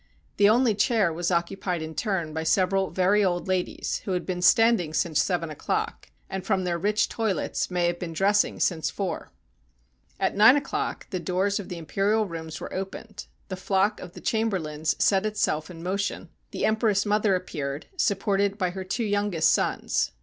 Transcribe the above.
The only chair was occupied in turn by several very old ladies, who had been standing since seven o'clock, and, from their rich toilets, may have been dressing since four. At nine o'clock the doors of the imperial rooms were opened; the flock of the chamberlains set itself in mo 201 RUSSIA tion; the empress mother appeared, supported by her two youngest sons.